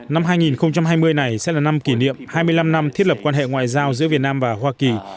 năm hai nghìn hai mươi này sẽ là năm kỷ niệm hai mươi năm năm thiết lập quan hệ ngoại giao giữa việt nam và hoa kỳ